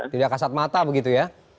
tidak kasat mata begitu ya